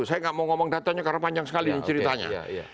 saya nggak mau ngomong datanya karena panjang sekali ceritanya